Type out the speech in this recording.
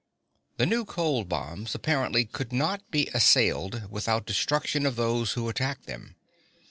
The new cold bombs apparently could not be assailed without destruction of those who attacked them.